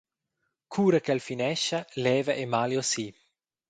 Cura ch’el finescha leva Emalio si.